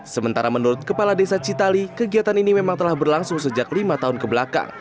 sementara menurut kepala desa citali kegiatan ini memang telah berlangsung sejak lima tahun kebelakang